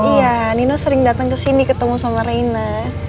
iya ninus sering datang ke sini ketemu sama reina